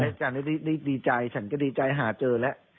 อาจารย์ก็ดีใจฉันก็ดีใจหาเจอแล้ว